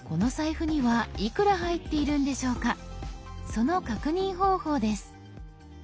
その確認方法です。